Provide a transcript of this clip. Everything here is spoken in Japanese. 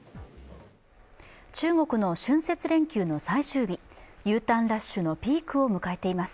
中国の春節連休の最終日、Ｕターンラッシュのピークを迎えています。